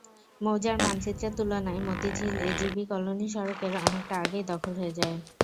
মৌজার মানচিত্রের তুলনায় মতিঝিল এজিবি কলোনি সড়কের অনেকটা আগেই দখল হয়ে যায়।